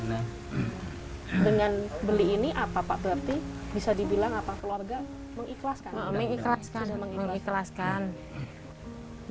dengan beli ini apa pak berarti bisa dibilang apa keluarga mengikhlaskan mengikhlaskan